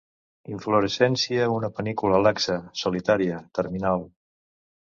Inflorescència una panícula laxa, solitària, terminal.